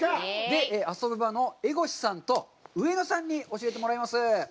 ＡＳＯＢＵＢＡの江越さんと上野さんに教えてもらいます。